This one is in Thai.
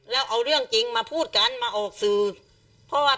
ถามดูสินี่เอามาดูสิ